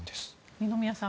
二宮さん